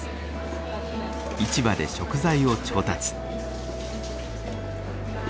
市場で食材を調達。